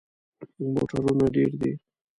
موټرونه ډیر دي